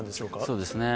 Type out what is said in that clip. そうですね。